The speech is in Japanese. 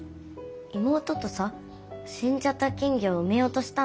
妹とさしんじゃった金魚をうめようとしたんだよね。